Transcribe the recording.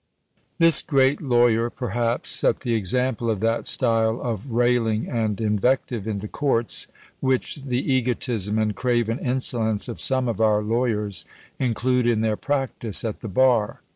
This great lawyer, perhaps, set the example of that style of railing and invective in the courts, which the egotism and craven insolence of some of our lawyers include in their practice at the bar.